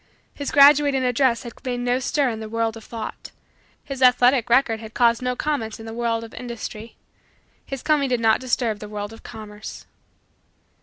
His graduating address had made no stir in the world of thought. His athletic record had caused no comment in the world of industry. His coming did not disturb the world of commerce.